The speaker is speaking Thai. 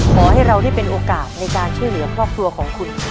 ขอให้เราได้เป็นโอกาสในการช่วยเหลือครอบครัวของคุณ